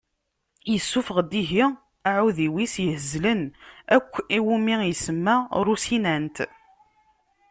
Yessufeɣ-d ihi aεudiw-is ihezlen akk iwumi isemma Rusinant